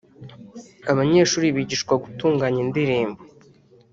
Abanyeshuri bigishwa gutunganya indirimbo